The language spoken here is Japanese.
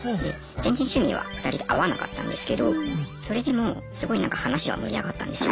全然趣味は２人で合わなかったんですけどそれでもすごいなんか話は盛り上がったんですよ。